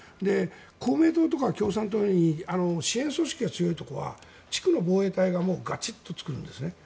公明党とか共産党のように支援組織が強いところは地区の防衛隊がガチッとつくんですね。